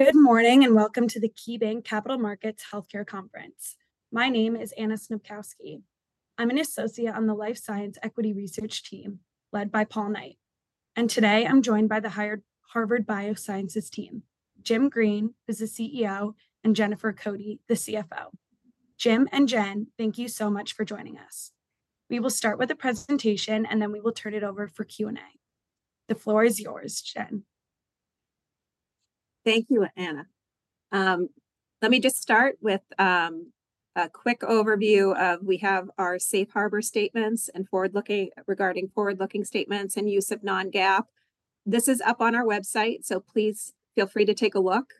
Good morning and welcome to the KeyBanc Capital Markets Healthcare conference. My name is Anna Snopkowski. I'm an associate on the Life Science Equity Research team led by Paul Knight, and today I'm joined by the Harvard Bioscience team, Jim Green who's the CEO, and Jennifer Cote the CFO. Jim and Jen, thank you so much for joining us. We will start with a presentation and then we will turn it over for Q&A. The floor is yours, Jen. Thank you, Anna. Let me just start with a quick overview of we have our Safe Harbor statements and forward-looking regarding forward-looking statements and use of non-GAAP. This is up on our website, so please feel free to take a look,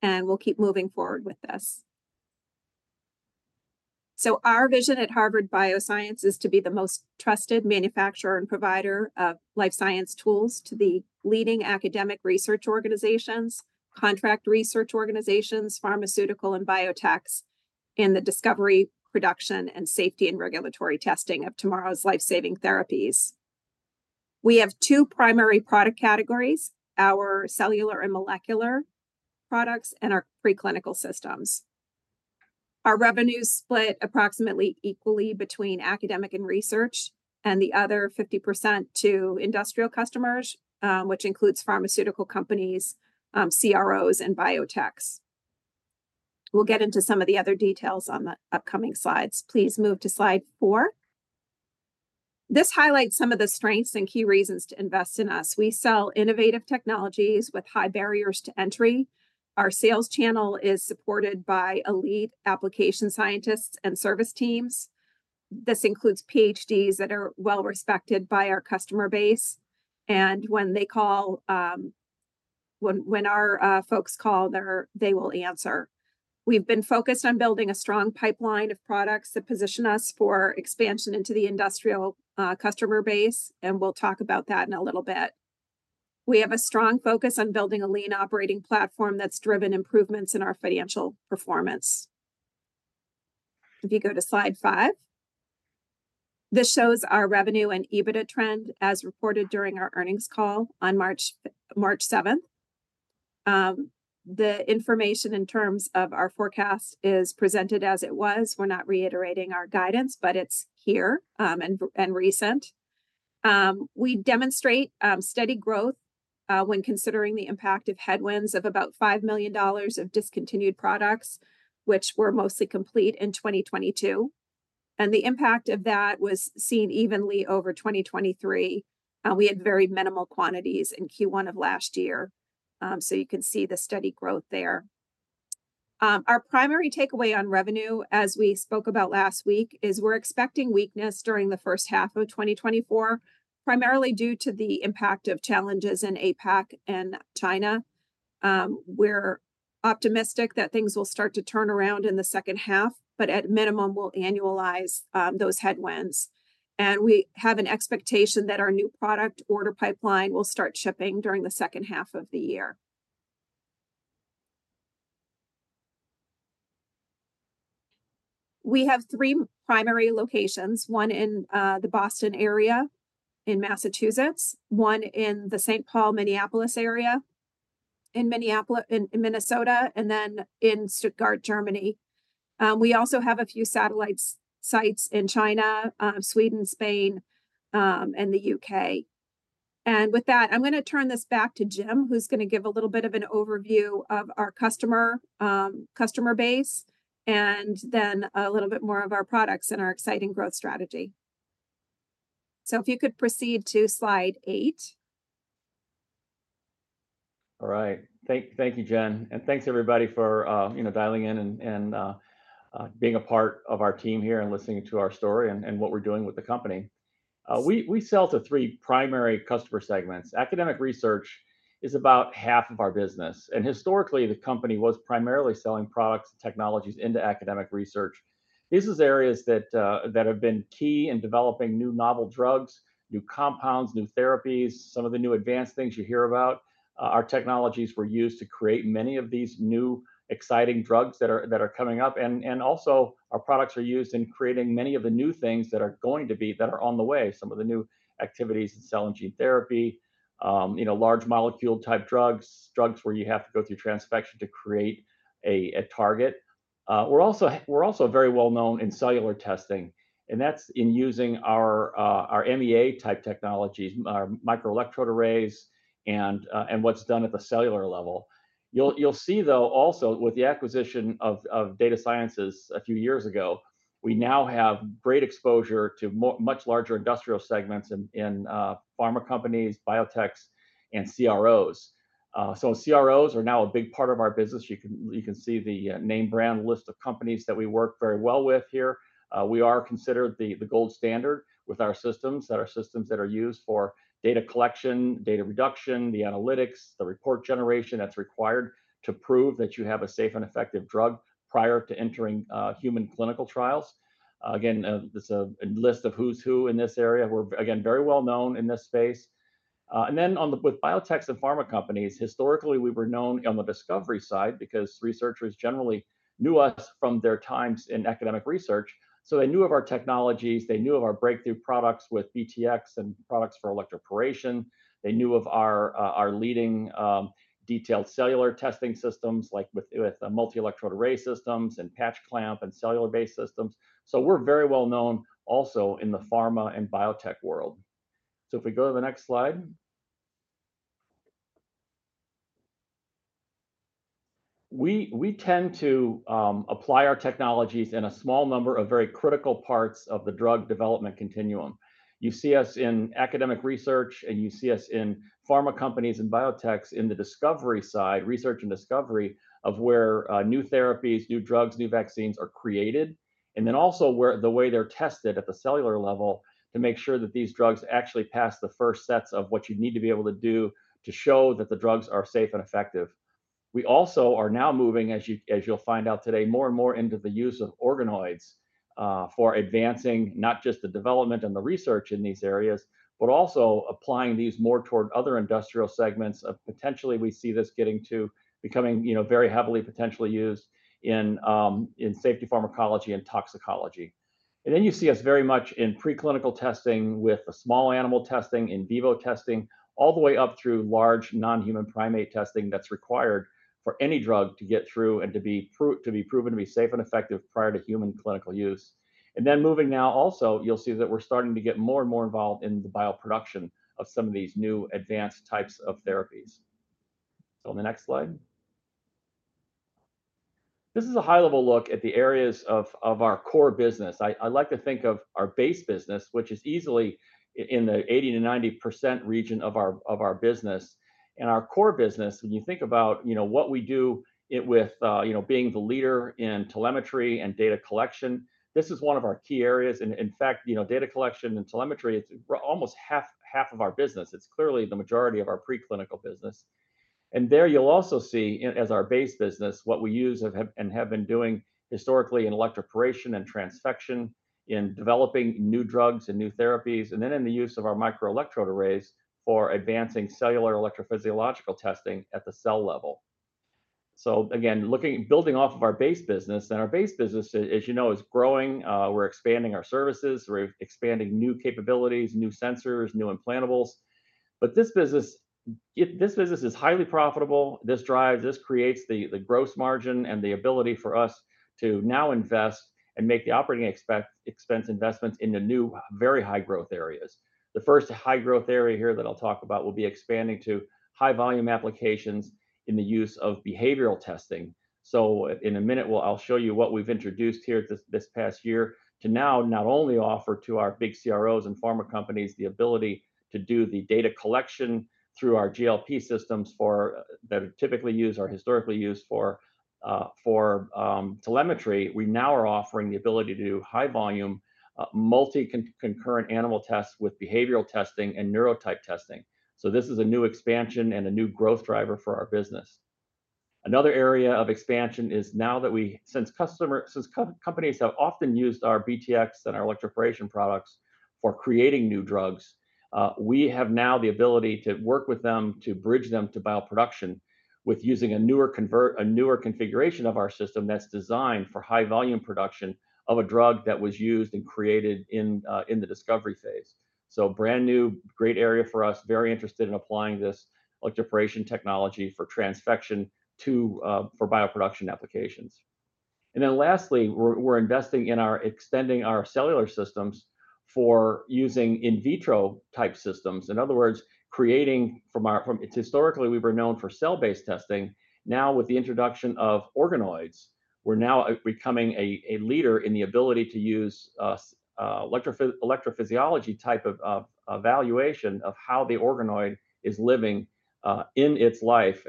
and we'll keep moving forward with this. So our vision at Harvard Bioscience is to be the most trusted manufacturer and provider of life science tools to the leading academic research organizations, contract research organizations, pharmaceutical and biotechs, in the discovery, production, and safety and regulatory testing of tomorrow's life-saving therapies. We have two primary product categories: our cellular and molecular products and our preclinical systems. Our revenues split approximately equally between academic and research, and the other 50% to industrial customers, which includes pharmaceutical companies, CROs, and biotechs. We'll get into some of the other details on the upcoming slides. Please move to slide four. This highlights some of the strengths and key reasons to invest in us. We sell innovative technologies with high barriers to entry. Our sales channel is supported by elite application scientists and service teams. This includes PhDs that are well-respected by our customer base, and when they call, when our folks call, they will answer. We've been focused on building a strong pipeline of products that position us for expansion into the industrial customer base, and we'll talk about that in a little bit. We have a strong focus on building a lean operating platform that's driven improvements in our financial performance. If you go to slide five, this shows our revenue and EBITDA trend as reported during our earnings call on March 7th. The information in terms of our forecast is presented as it was. We're not reiterating our guidance, but it's here, and recent. We demonstrate steady growth when considering the impact of headwinds of about $5 million of discontinued products, which were mostly complete in 2022. The impact of that was seen evenly over 2023. We had very minimal quantities in Q1 of last year, so you can see the steady growth there. Our primary takeaway on revenue, as we spoke about last week, is we're expecting weakness during the first half of 2024, primarily due to the impact of challenges in APAC and China. We're optimistic that things will start to turn around in the second half, but at minimum we'll annualize those headwinds. We have an expectation that our new product order pipeline will start shipping during the second half of the year. We have three primary locations: one in the Boston area in Massachusetts, one in the St. Paul, Minneapolis area in Minneapolis in Minnesota, and then in Stuttgart, Germany. We also have a few satellite sites in China, Sweden, Spain, and the U.K. And with that, I'm going to turn this back to Jim, who's going to give a little bit of an overview of our customer, customer base, and then a little bit more of our products and our exciting growth strategy. So if you could proceed to slide eight. All right. Thank you, Jen. And thanks everybody for, you know, dialing in and being a part of our team here and listening to our story and what we're doing with the company. We sell to three primary customer segments. Academic research is about half of our business, and historically, the company was primarily selling products and technologies into academic research. These are areas that have been key in developing new novel drugs, new compounds, new therapies, some of the new advanced things you hear about. Our technologies were used to create many of these new exciting drugs that are coming up, and also our products are used in creating many of the new things that are going to be on the way. Some of the new activities in cell and gene therapy, you know, large molecule type drugs, drugs where you have to go through transfection to create a target. We're also very well known in cellular testing, and that's in using our MEA type technologies, our microelectrode arrays, and what's done at the cellular level. You'll see, though, also with the acquisition of Data Sciences a few years ago, we now have great exposure to much larger industrial segments in pharma companies, biotechs, and CROs. So CROs are now a big part of our business. You can see the name brand list of companies that we work very well with here. We are considered the gold standard with our systems that are used for data collection, data reduction, the analytics, the report generation that's required to prove that you have a safe and effective drug prior to entering human clinical trials. Again, it's a list of who's who in this area. We're, again, very well known in this space. And then with biotechs and pharma companies, historically, we were known on the discovery side because researchers generally knew us from their times in academic research. So they knew of our technologies. They knew of our breakthrough products with BTX and products for electroporation. They knew of our leading, detailed cellular testing systems like with multi-electrode array systems and patch clamp and cellular-based systems. So we're very well known also in the pharma and biotech world. So if we go to the next slide. We tend to apply our technologies in a small number of very critical parts of the drug development continuum. You see us in academic research, and you see us in pharma companies and biotechs in the discovery side, research and discovery of where new therapies, new drugs, new vaccines are created, and then also where the way they're tested at the cellular level to make sure that these drugs actually pass the first sets of what you need to be able to do to show that the drugs are safe and effective. We also are now moving, as you'll find out today, more and more into the use of organoids for advancing not just the development and the research in these areas, but also applying these more toward other industrial segments of potentially we see this getting to becoming, you know, very heavily potentially used in safety pharmacology and toxicology. And then you see us very much in preclinical testing with a small animal testing, in vivo testing, all the way up through large non-human primate testing that's required for any drug to get through and to be proved to be proven to be safe and effective prior to human clinical use. And then moving now also, you'll see that we're starting to get more and more involved in the bioproduction of some of these new advanced types of therapies. So on the next slide. This is a high-level look at the areas of our core business. I like to think of our base business, which is easily in the 80%-90% region of our business. Our core business, when you think about, you know, what we do with, you know, being the leader in telemetry and data collection, this is one of our key areas. In fact, you know, data collection and telemetry, it's almost half of our business. It's clearly the majority of our preclinical business. There you'll also see in as our base business what we have and have been doing historically in electroporation and transfection, in developing new drugs and new therapies, and then in the use of our microelectrode arrays for advancing cellular electrophysiological testing at the cell level. So again, looking, building off of our base business, and our base business, as you know, is growing. We're expanding our services. We're expanding new capabilities, new sensors, new implantables. But this business is highly profitable. This creates the gross margin and the ability for us to now invest and make the operating expense investments in the new very high-growth areas. The first high-growth area here that I'll talk about will be expanding to high-volume applications in the use of behavioral testing. In a minute, I'll show you what we've introduced here this past year to now not only offer to our big CROs and pharma companies the ability to do the data collection through our GLP systems that are typically used or historically used for telemetry. We now are offering the ability to do high volume, multi-concurrent animal tests with behavioral testing and neurotype testing. This is a new expansion and a new growth driver for our business. Another area of expansion is, now that since customers and companies have often used our BTX and our electroporation products for creating new drugs, we have now the ability to work with them to bridge them to bioproduction with using a newer configuration of our system that's designed for high volume production of a drug that was used and created in the discovery phase. So, brand new great area for us, very interested in applying this electroporation technology for transfection to bioproduction applications. And then lastly, we're investing in extending our cellular systems for using in vitro type systems. In other words, creating from our historically we were known for cell-based testing. Now with the introduction of organoids, we're now becoming a leader in the ability to use electrophysiology type of evaluation of how the organoid is living in its life.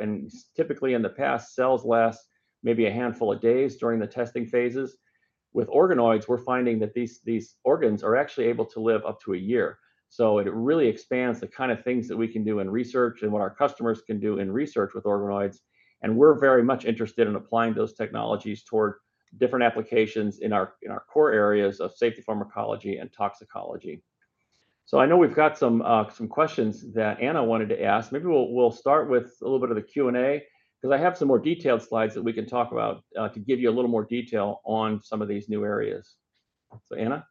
Typically in the past, cells last maybe a handful of days during the testing phases. With organoids, we're finding that these organs are actually able to live up to a year. So it really expands the kind of things that we can do in research and what our customers can do in research with organoids. We're very much interested in applying those technologies toward different applications in our core areas of safety pharmacology and toxicology. I know we've got some questions that Anna wanted to ask. Maybe we'll start with a little bit of the Q&A, because I have some more detailed slides that we can talk about, to give you a little more detail on some of these new areas. So, Anna.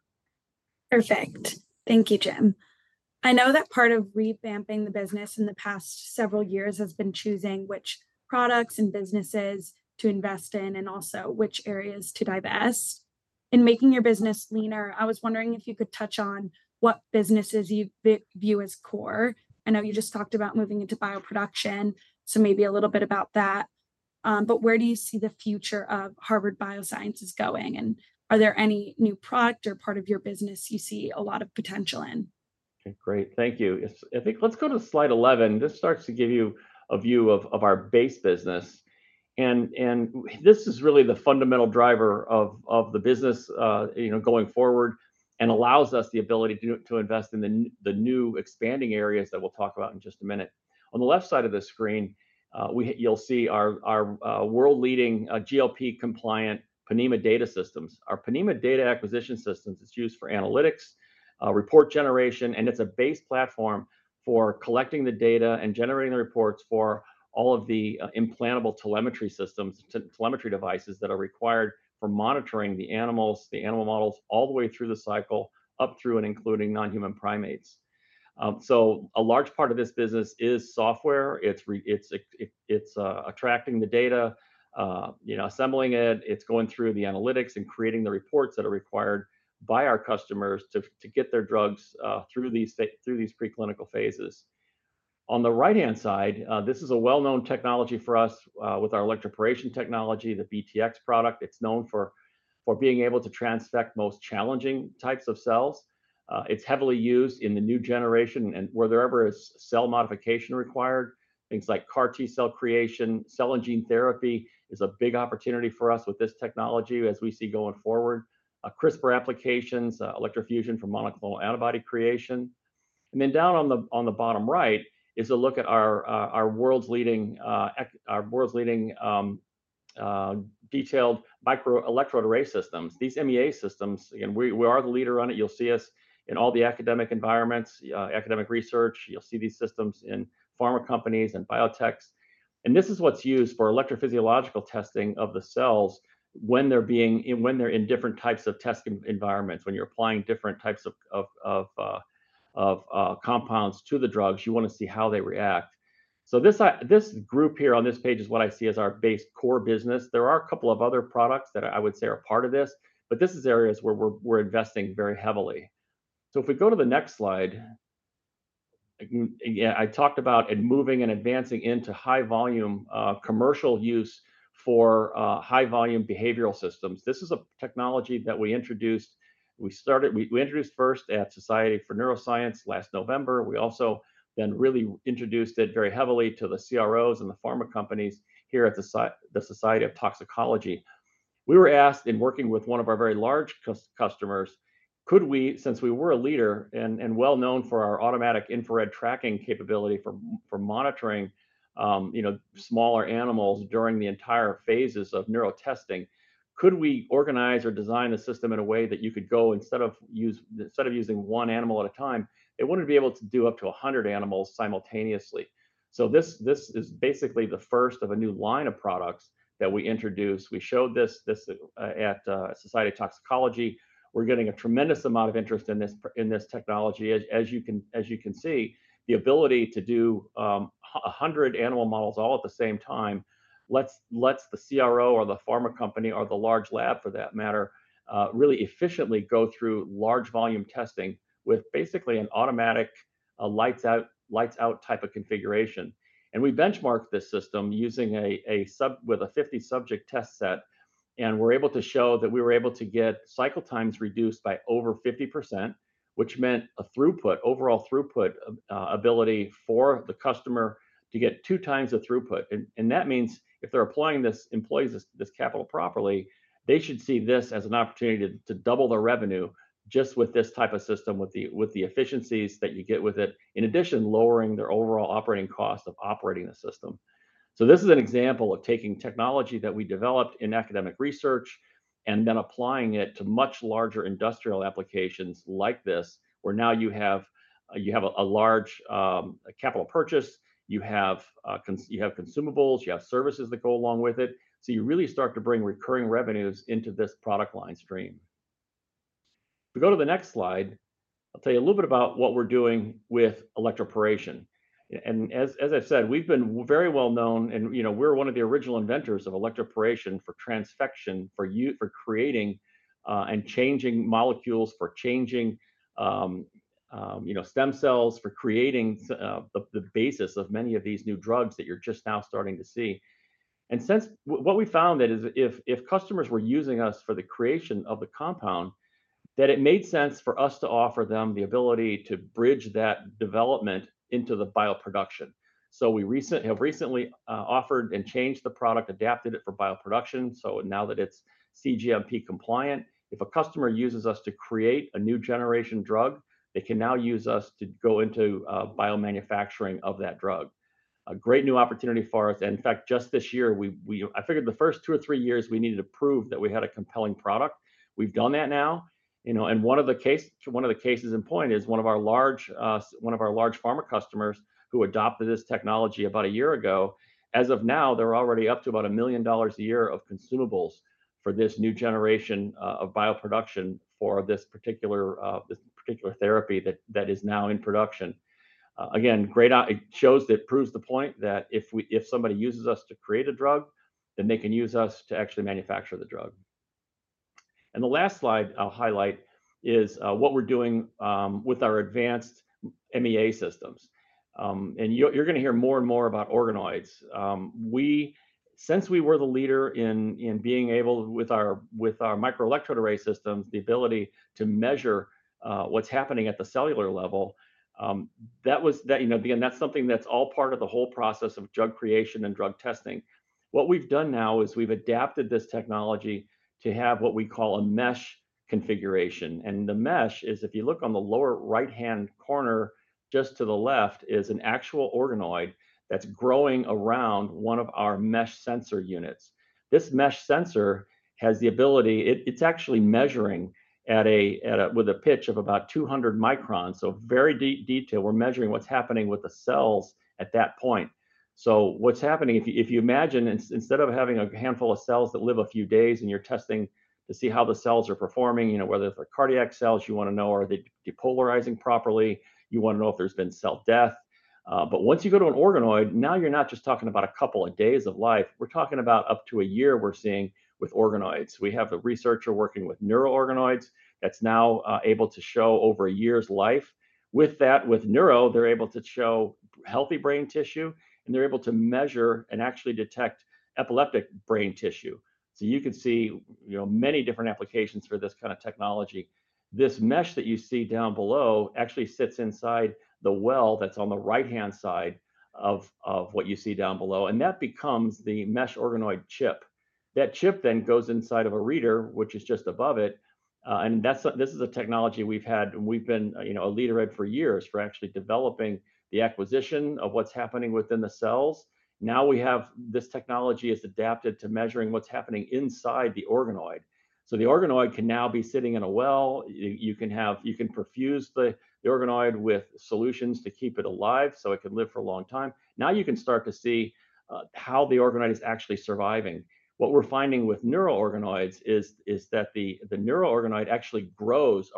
Perfect. Thank you, Jim. I know that part of revamping the business in the past several years has been choosing which products and businesses to invest in and also which areas to divest. In making your business leaner, I was wondering if you could touch on what businesses you view as core. I know you just talked about moving into bioproduction, so maybe a little bit about that. But where do you see the future of Harvard Bioscience going, and are there any new product or part of your business you see a lot of potential in? Okay, great. Thank you. I think let's go to slide 11. This starts to give you a view of our base business. And this is really the fundamental driver of the business, you know, going forward and allows us the ability to invest in the new expanding areas that we'll talk about in just a minute. On the left side of the screen, you'll see our world-leading GLP-compliant Ponemah data systems. Our Ponemah data acquisition systems, it's used for analytics, report generation, and it's a base platform for collecting the data and generating the reports for all of the implantable telemetry systems, telemetry devices that are required for monitoring the animals, the animal models, all the way through the cycle, up through and including non-human primates. So a large part of this business is software. It's attracting the data, you know, assembling it. It's going through the analytics and creating the reports that are required by our customers to get their drugs through these preclinical phases. On the right-hand side, this is a well-known technology for us, with our electroporation technology, the BTX product. It's known for being able to transfect the most challenging types of cells. It's heavily used in the new generation and wherever there is cell modification required. Things like CAR T cell creation, cell and gene therapy is a big opportunity for us with this technology as we see going forward. CRISPR applications, electrofusion for monoclonal antibody creation. And then down on the bottom right is a look at our world's leading detailed microelectrode array systems. These MEA systems, again, we are the leader on it. You'll see us in all the academic environments, academic research. You'll see these systems in pharma companies and biotechs. And this is what's used for electrophysiological testing of the cells when they're in different types of test environments. When you're applying different types of compounds to the drugs, you want to see how they react. So this group here on this page is what I see as our base core business. There are a couple of other products that I would say are part of this, but this is areas where we're investing very heavily. So if we go to the next slide. Yeah, I talked about it moving and advancing into high-volume commercial use for high-volume behavioral systems. This is a technology that we introduced. We introduced first at Society for Neuroscience last November. We also then really introduced it very heavily to the CROs and the pharma companies here at the Society of Toxicology. We were asked in working with one of our very large customers, could we since we were a leader and well known for our automatic infrared tracking capability for monitoring, you know, smaller animals during the entire phases of neuro testing, could we organize or design a system in a way that you could go instead of use instead of using one animal at a time, it wouldn't be able to do up to 100 animals simultaneously. So this is basically the first of a new line of products that we introduced. We showed this at Society of Toxicology. We're getting a tremendous amount of interest in this technology. As you can see, the ability to do 100 animal models all at the same time lets the CRO or the pharma company or the large lab for that matter really efficiently go through large volume testing with basically an automatic lights-out type of configuration. We benchmarked this system using a sub with a 50 subject test set. We're able to show that we were able to get cycle times reduced by over 50%, which meant overall throughput ability for the customer to get two times the throughput. That means if they're applying this employs this capital properly, they should see this as an opportunity to double their revenue just with this type of system with the efficiencies that you get with it, in addition, lowering their overall operating cost of operating the system. So this is an example of taking technology that we developed in academic research and then applying it to much larger industrial applications like this, where now you have a large capital purchase. You have consumables. You have services that go along with it. So you really start to bring recurring revenues into this product line stream. If we go to the next slide, I'll tell you a little bit about what we're doing with electroporation. And as I've said, we've been very well known and you know we're one of the original inventors of electroporation for transfection for you for creating and changing molecules for changing you know stem cells for creating the basis of many of these new drugs that you're just now starting to see. Since what we found that is if customers were using us for the creation of the compound, that it made sense for us to offer them the ability to bridge that development into the bioproduction. So we recently have offered and changed the product, adapted it for bioproduction. So now that it's CGMP compliant, if a customer uses us to create a new generation drug, they can now use us to go into biomanufacturing of that drug. A great new opportunity for us. And in fact, just this year, we I figured the first two or three years we needed to prove that we had a compelling product. We've done that now. You know, and one of the cases in point is one of our large pharma customers who adopted this technology about a year ago. As of now, they're already up to about $1 million a year of consumables for this new generation of bioproduction for this particular therapy that is now in production. Again, great it shows that proves the point that if somebody uses us to create a drug, then they can use us to actually manufacture the drug. And the last slide I'll highlight is what we're doing with our advanced MEA systems. And you're going to hear more and more about organoids. We, since we were the leader in being able with our microelectrode array systems, the ability to measure what's happening at the cellular level, that was, you know, again, that's something that's all part of the whole process of drug creation and drug testing. What we've done now is we've adapted this technology to have what we call a mesh configuration. And the mesh is if you look on the lower right-hand corner, just to the left is an actual organoid that's growing around one of our mesh sensor units. This mesh sensor has the ability it's actually measuring at a with a pitch of about 200 microns. So very deep detail. We're measuring what's happening with the cells at that point. So what's happening if you imagine instead of having a handful of cells that live a few days and you're testing to see how the cells are performing, you know whether they're cardiac cells you want to know are they depolarizing properly, you want to know if there's been cell death. But once you go to an organoid, now you're not just talking about a couple of days of life. We're talking about up to a year, we're seeing with organoids. We have a researcher working with neuro organoids that's now able to show over a year's life. With that, with neuro, they're able to show healthy brain tissue, and they're able to measure and actually detect epileptic brain tissue. So you can see, you know, many different applications for this kind of technology. This Mesh that you see down below actually sits inside the well that's on the right-hand side of what you see down below, and that becomes the Mesh organoid chip. That chip then goes inside of a reader, which is just above it. And that's. This is a technology we've had. We've been, you know, a leader for years for actually developing the acquisition of what's happening within the cells. Now we have this technology is adapted to measuring what's happening inside the organoid. So the organoid can now be sitting in a well. You can perfuse the organoid with solutions to keep it alive so it can live for a long time. Now you can start to see how the organoid is actually surviving. What we're finding with neuro organoids is that the neuro organoid actually grows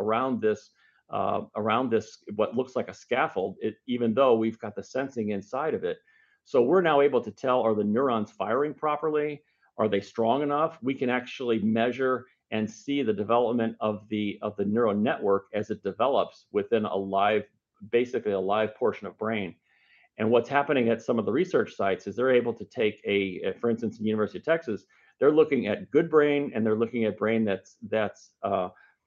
around this what looks like a scaffold, even though we've got the sensing inside of it. So we're now able to tell are the neurons firing properly? Are they strong enough? We can actually measure and see the development of the neural network as it develops within a live, basically a live, portion of brain. What's happening at some of the research sites is they're able to take, for instance, in the University of Texas, they're looking at good brain and they're looking at brain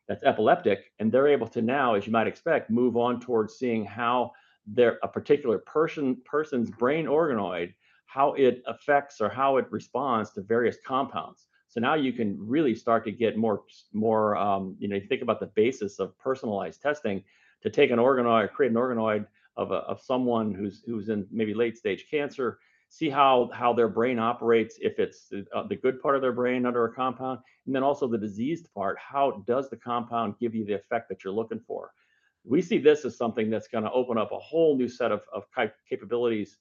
that's epileptic. They're able to now, as you might expect, move on towards seeing how their a particular person's brain organoid, how it affects or how it responds to various compounds. So now you can really start to get more, you know, you think about the basis of personalized testing to take an organoid, create an organoid of a someone who's in maybe late stage cancer, see how their brain operates if it's the good part of their brain under a compound, and then also the diseased part. How does the compound give you the effect that you're looking for? We see this as something that's going to open up a whole new set of capabilities.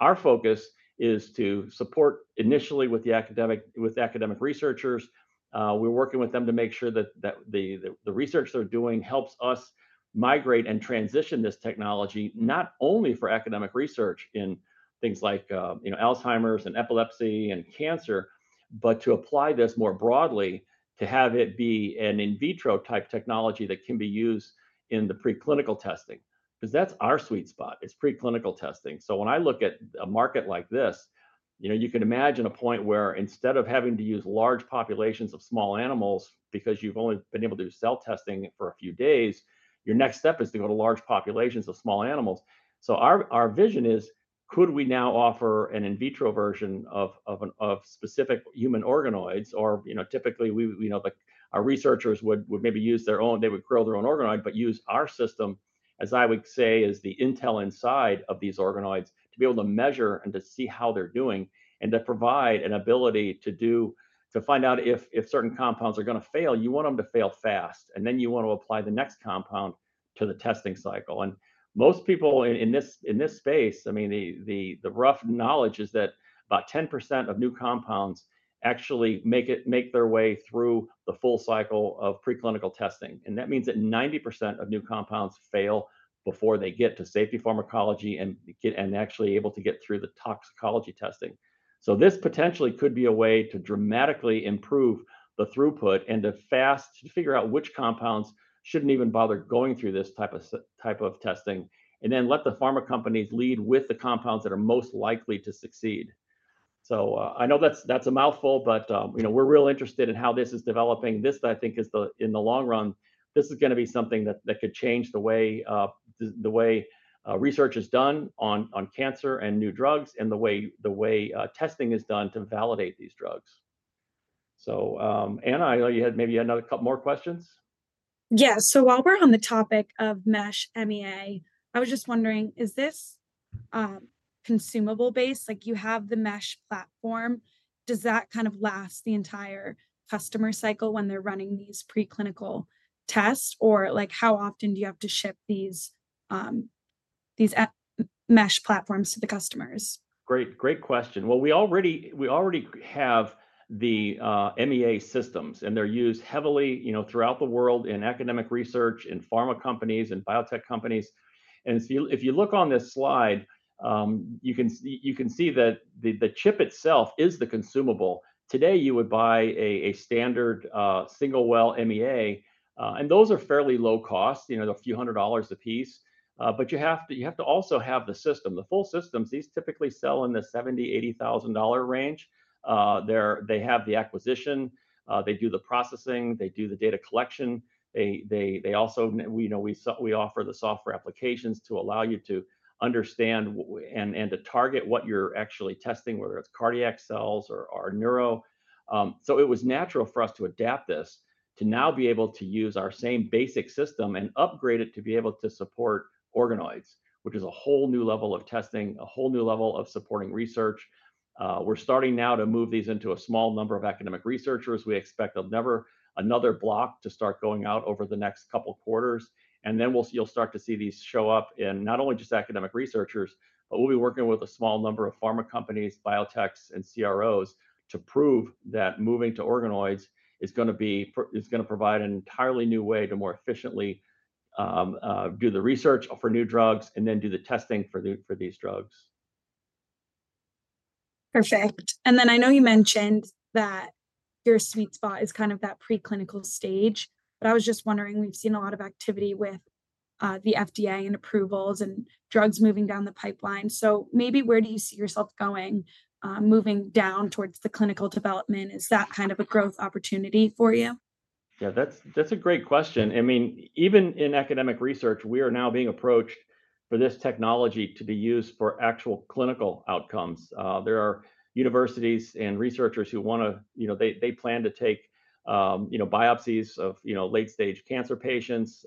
Our focus is to support initially with academic researchers. We're working with them to make sure that the research they're doing helps us migrate and transition this technology, not only for academic research in things like, you know, Alzheimer's and epilepsy and cancer, but to apply this more broadly to have it be an in vitro type technology that can be used in the preclinical testing. Because that's our sweet spot. It's preclinical testing. So when I look at a market like this, you know, you can imagine a point where instead of having to use large populations of small animals because you've only been able to do cell testing for a few days, your next step is to go to large populations of small animals. So our vision is, could we now offer an in vitro version of a specific human organoids? Or you know typically we know our researchers would maybe use their own they would grow their own organoid, but use our system, as I would say, is the intel inside of these organoids to be able to measure and to see how they're doing and to provide an ability to do to find out if certain compounds are going to fail. You want them to fail fast, and then you want to apply the next compound to the testing cycle. And most people in this space, I mean, the rough knowledge is that about 10% of new compounds actually make it their way through the full cycle of preclinical testing. And that means that 90% of new compounds fail before they get to safety pharmacology and get actually able to get through the toxicology testing. So this potentially could be a way to dramatically improve the throughput and to fast to figure out which compounds shouldn't even bother going through this type of type of testing, and then let the pharma companies lead with the compounds that are most likely to succeed. So I know that's that's a mouthful, but you know we're real interested in how this is developing. This, I think, is the in the long run, this is going to be something that that could change the way the way research is done on on cancer and new drugs and the way the way testing is done to validate these drugs. So Anna, I know you had maybe you had another couple more questions. Yeah. So while we're on the topic of Mesh MEA, I was just wondering, is this consumable-based? Like you have the Mesh platform. Does that kind of last the entire customer cycle when they're running these preclinical tests? Or like, how often do you have to ship these mesh platforms to the customers? Great, great question. Well, we already have the MEA systems, and they're used heavily you know, throughout the world in academic research, in pharma companies, in biotech companies. If you look on this slide, you can see that the chip itself is the consumable. Today, you would buy a standard single-well MEA, and those are fairly low-cost. You know they're a few hundred dollars a piece. But you have to also have the system. The full systems, these typically sell in the $70,000-$80,000 range. They have the acquisition. They do the processing. They do the data collection. They also, you know, we offer the software applications to allow you to understand and to target what you're actually testing, whether it's cardiac cells or neuro. So it was natural for us to adapt this to now be able to use our same basic system and upgrade it to be able to support organoids, which is a whole new level of testing, a whole new level of supporting research. We're starting now to move these into a small number of academic researchers. We expect they'll never another block to start going out over the next couple quarters. And then you'll start to see these show up in not only just academic researchers, but we'll be working with a small number of pharma companies, biotechs, and CROs to prove that moving to organoids is going to provide an entirely new way to more efficiently do the research for new drugs and then do the testing for these drugs. Perfect. And then I know you mentioned that your sweet spot is kind of that preclinical stage. But I was just wondering, we've seen a lot of activity with the FDA and approvals and drugs moving down the pipeline. So maybe where do you see yourself moving down towards the clinical development? Is that kind of a growth opportunity for you? Yeah, that's a great question. I mean, even in academic research, we are now being approached for this technology to be used for actual clinical outcomes. There are universities and researchers who want to, you know, they plan to take, you know, biopsies of, you know, late-stage cancer patients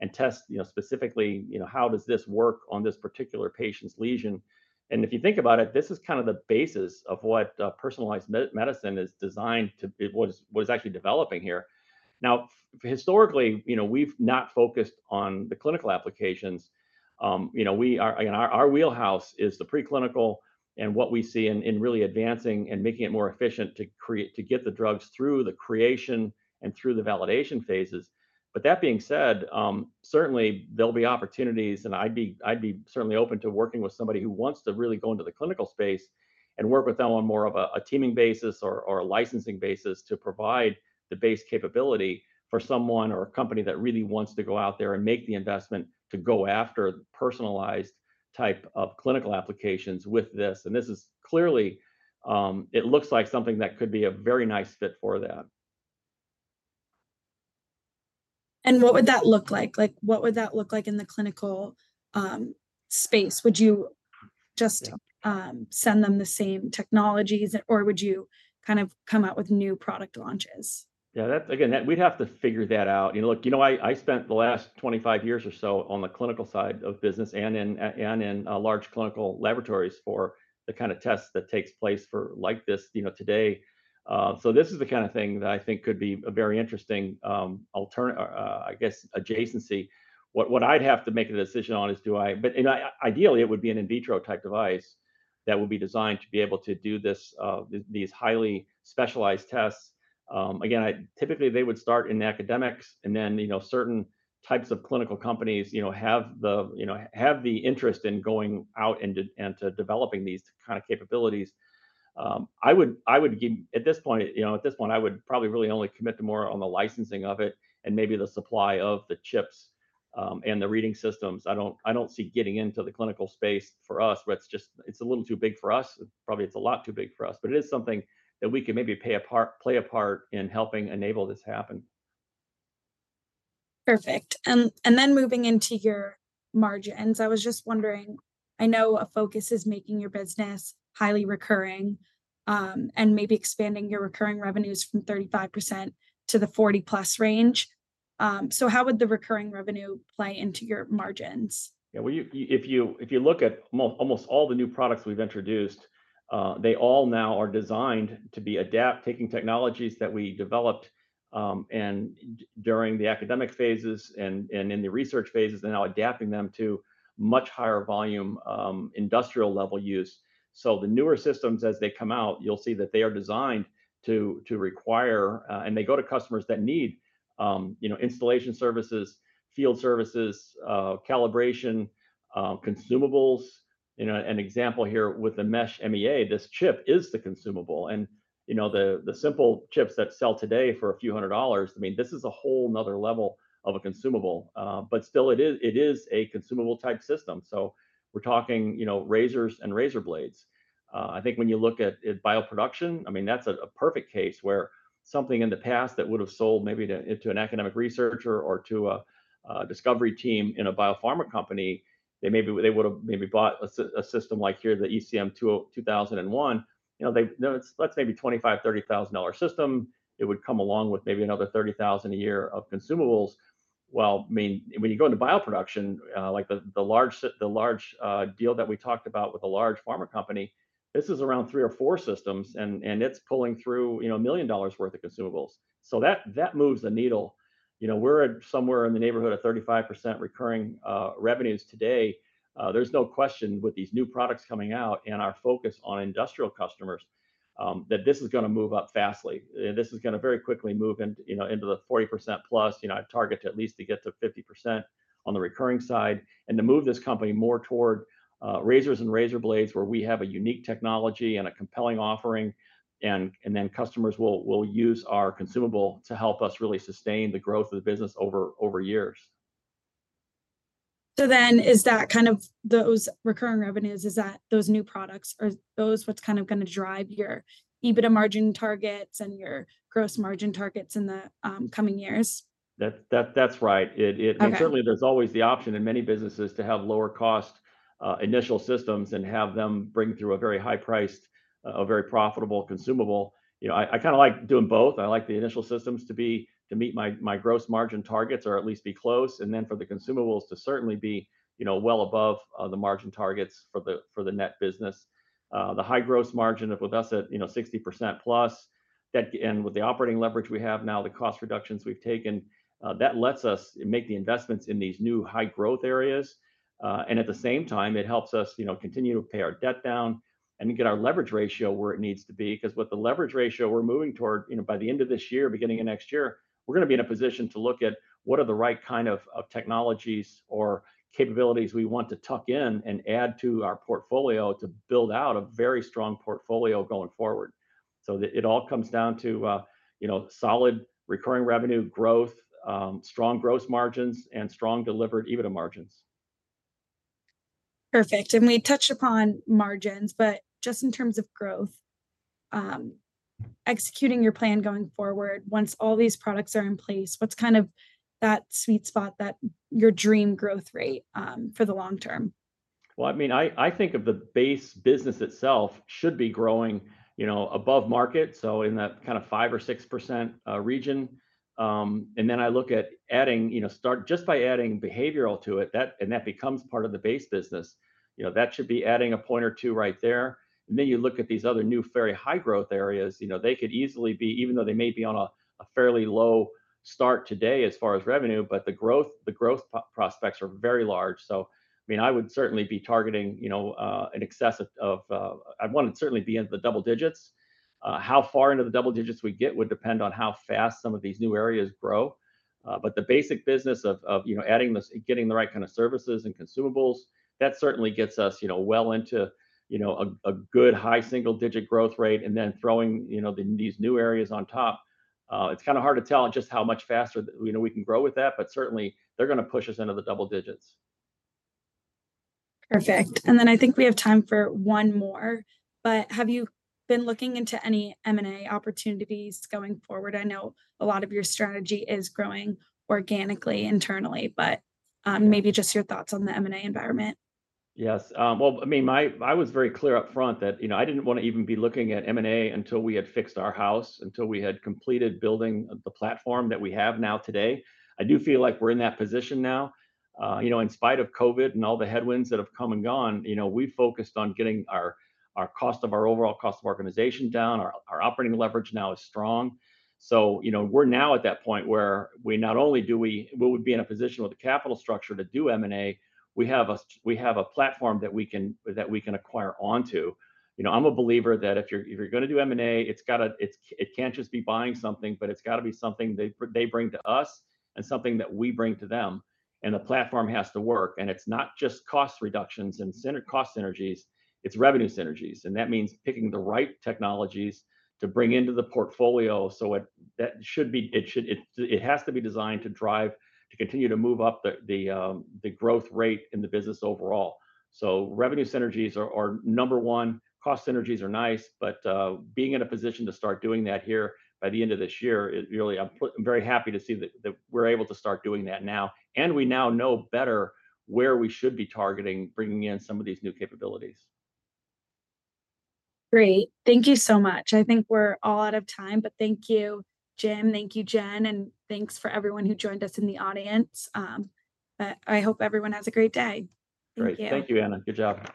and test, you know, specifically, you know, how does this work on this particular patient's lesion. And if you think about it, this is kind of the basis of what personalized medicine is designed to be, what is actually developing here. Now, historically, you know we've not focused on the clinical applications. You know we are again, our wheelhouse is the preclinical and what we see in really advancing and making it more efficient to create to get the drugs through the creation and through the validation phases. But that being said, certainly there'll be opportunities, and I'd be certainly open to working with somebody who wants to really go into the clinical space and work with them on more of a teaming basis or a licensing basis to provide the base capability for someone or a company that really wants to go out there and make the investment to go after personalized type of clinical applications with this. And this is clearly it looks like something that could be a very nice fit for that. And what would that look like? Like what would that look like in the clinical space? Would you just send them the same technologies, or would you kind of come out with new product launches? Yeah, that again, we'd have to figure that out. You know, look, you know, I spent the last 25 years or so on the clinical side of business and in large clinical laboratories for the kind of tests that takes place for like this, you know, today. So this is the kind of thing that I think could be a very interesting alternative, I guess, adjacency. What I'd have to make a decision on is do I, but you know, ideally it would be an in vitro type device that would be designed to be able to do these highly specialized tests. Again, they would typically start in academics, and then you know certain types of clinical companies, you know, have the interest in going out and to developing these kind of capabilities. I would give at this point, you know, at this point, I would probably really only commit to more on the licensing of it and maybe the supply of the chips and the reading systems. I don't see getting into the clinical space for us, but it's just a little too big for us. Probably it's a lot too big for us, but it is something that we can maybe play a part in helping enable this happen. Perfect. And then moving into your margins, I was just wondering, I know a focus is making your business highly recurring and maybe expanding your recurring revenues from 35% to the 40% plus range. So how would the recurring revenue play into your margins? Yeah, well, if you look at almost all the new products we've introduced, they all now are designed to be adapting technologies that we developed during the academic phases and in the research phases and now adapting them to much higher volume industrial level use. So the newer systems, as they come out, you'll see that they are designed to require and they go to customers that need, you know, installation services, field services, calibration, consumables. You know, an example here with the Mesh MEA, this chip is the consumable. And you know, the simple chips that sell today for a few hundred dollars, I mean, this is a whole nother level of a consumable. But still, it is a consumable type system. So we're talking, you know, razors and razor blades. I think when you look at bioproduction, I mean, that's a perfect case where something in the past that would have sold maybe to an academic researcher or to a discovery team in a biopharma company, they would have bought a system like the ECM 2001. You know, it's a $25,000-$30,000 system. It would come along with maybe another $30,000 a year of consumables. Well, I mean, when you go into bioproduction, like the large deal that we talked about with a large pharma company, this is around three or four systems, and it's pulling through, you know, $1 million worth of consumables. So that moves the needle. You know, we're at somewhere in the neighborhood of 35% recurring revenues today. There's no question with these new products coming out and our focus on industrial customers that this is going to move up fast. This is going to very quickly move into, you know, into the 40%+. You know, I target to at least to get to 50% on the recurring side and to move this company more toward razors and razor blades where we have a unique technology and a compelling offering, and then customers will use our consumable to help us really sustain the growth of the business over years. So then is that kind of those recurring revenues, is that those new products are those what's kind of going to drive your EBITDA margin targets and your gross margin targets in the coming years? That's right. I mean, certainly there's always the option in many businesses to have lower cost initial systems and have them bring through a very high priced, a very profitable consumable. You know, I kind of like doing both. I like the initial systems to meet my gross margin targets or at least be close, and then for the consumables to certainly be, you know, well above the margin targets for the net business. The high gross margin we have with us at, you know, 60%+ and with the operating leverage we have now, the cost reductions we've taken, that lets us make the investments in these new high growth areas. At the same time, it helps us, you know, continue to pay our debt down and get our leverage ratio where it needs to be. Because with the leverage ratio we're moving toward, you know, by the end of this year, beginning of next year, we're going to be in a position to look at what are the right kind of technologies or capabilities we want to tuck in and add to our portfolio to build out a very strong portfolio going forward. So it all comes down to, you know, solid recurring revenue growth, strong gross margins, and strong delivered EBITDA margins. Perfect. We touched upon margins, but just in terms of growth, executing your plan going forward, once all these products are in place, what's kind of that sweet spot, that your dream growth rate for the long term? Well, I mean, I think of the base business itself should be growing, you know, above market. So in that kind of 5% or 6% region. And then I look at adding, you know, start just by adding behavioral to it, that and that becomes part of the base business. You know, that should be adding a point or two right there. And then you look at these other new very high growth areas, you know, they could easily be, even though they may be on a fairly low start today as far as revenue, but the growth prospects are very large. So, I mean, I would certainly be targeting, you know, an excess of I'd want to certainly be into the double digits. How far into the double digits we get would depend on how fast some of these new areas grow. But the basic business of, you know, adding getting the right kind of services and consumables, that certainly gets us, you know, well into, you know, a good high single-digit growth rate and then throwing, you know, these new areas on top. It's kind of hard to tell just how much faster that, you know, we can grow with that, but certainly they're going to push us into the double-digits. Perfect. And then I think we have time for one more. But have you been looking into any M&A opportunities going forward? I know a lot of your strategy is growing organically internally, but maybe just your thoughts on the M&A environment. Yes. Well, I mean, I was very clear up front that, you know, I didn't want to even be looking at M&A until we had fixed our house, until we had completed building the platform that we have now today. I do feel like we're in that position now. You know, in spite of COVID and all the headwinds that have come and gone, you know, we focused on getting our overall cost of organization down. Our operating leverage now is strong. So, you know, we're now at that point where we not only would we be in a position with the capital structure to do M&A, we have a platform that we can acquire onto. You know, I'm a believer that if you're going to do M&A, it's got to it can't just be buying something, but it's got to be something they bring to us and something that we bring to them. And the platform has to work. And it's not just cost reductions and cost synergies. It's revenue synergies. And that means picking the right technologies to bring into the portfolio. So it should be it should it has to be designed to drive to continue to move up the growth rate in the business overall. So revenue synergies are number one. Cost synergies are nice, but being in a position to start doing that here by the end of this year, it really I'm very happy to see that we're able to start doing that now. We now know better where we should be targeting bringing in some of these new capabilities. Great. Thank you so much. I think we're all out of time, but thank you, Jim. Thank you, Jen. Thanks for everyone who joined us in the audience. I hope everyone has a great day. Thank you. Thank you, Anna. Good job.